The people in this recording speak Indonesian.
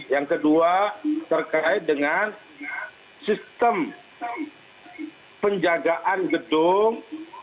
yang kedua terkait dengan sistem penjagaan gedung